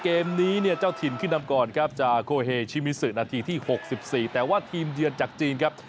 เกมนี้เนี่ยเจ้าถิ่นขึ้นนำก่อนครับจากโคเฮชิมิสุนาทีที่๖๔แต่ว่าทีมเยือนจากจีนครับ